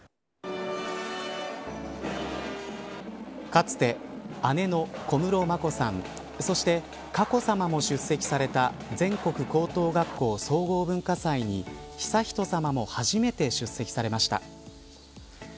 かつて、姉の小室眞子さんそして、佳子さまも出席された全国高等学校総合文化祭に悠仁さまも初めて出席されました。